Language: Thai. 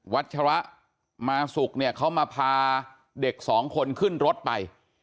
ัชระมาสุกเนี่ยเขามาพาเด็กสองคนขึ้นรถไป